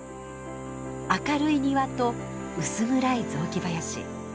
明るい庭と薄暗い雑木林